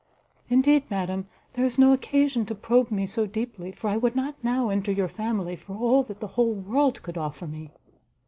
Indeed, madam, there is no occasion to probe me so deeply, for I would not now enter your family, for all that the whole world could offer me!"